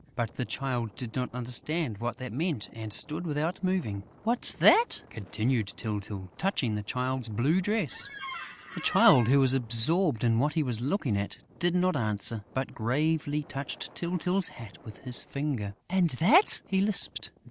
But the Child did not understand what that meant and stood without moving. "What's that?" continued Tyltyl, touching the Child's blue dress. The Child, who was absorbed in what he was looking at, did not answer, but gravely touched Tyltyl's hat with his finger: "And that?" he lisped.